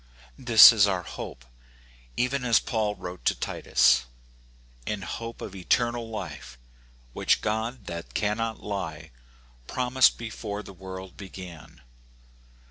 This is our hope, even as Paul wrote to Titus :" In hope of eternal life, which God, that cannot He, promised before the world began."